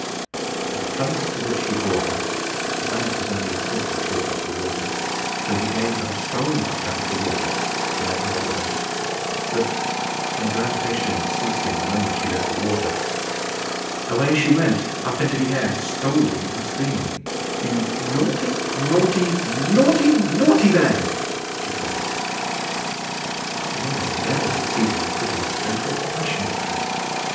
At the place to which he bore her, the bank was only a foot or two above the water, so he gave her a strong lift out of the water, to lay her on the bank. But, her gravitation ceasing the moment she left the water, away she went up into the air, scolding and screaming. "You naughty, naughty, NAUGHTY, NAUGHTY man!" she cried. No one had ever succeeded in putting her into a passion before.